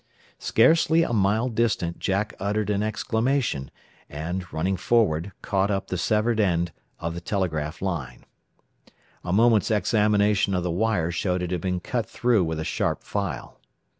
Scarcely a mile distant Jack uttered an exclamation, and, running forward, caught up the severed end of the telegraph line. A moment's examination of the wire showed it had been cut through with a sharp file.